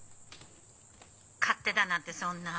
☎勝手だなんてそんな。